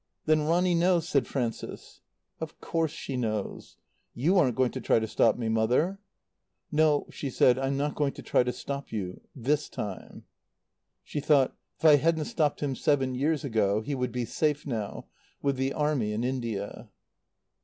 "Then Ronny knows?" said Frances. "Of course she knows. You aren't going to try to stop me, Mother?" "No," she said. "I'm not going to try to stop you this time." She thought: "If I hadn't stopped him seven years ago, he would be safe now, with the Army in India."